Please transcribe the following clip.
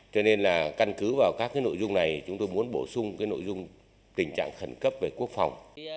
cho nên là căn cứ vào các nội dung này chúng tôi muốn bổ sung nội dung tình trạng khẩn cấp về quốc phòng